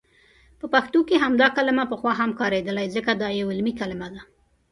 په پښتو کې همدا کلمه پخوا هم کاریدلي، ځکه دا یو علمي کلمه ده.